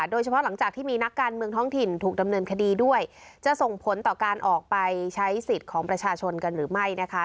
โดยเฉพาะหลังจากที่มีนักการเมืองท้องถิ่นถูกดำเนินคดีด้วยจะส่งผลต่อการออกไปใช้สิทธิ์ของประชาชนกันหรือไม่นะคะ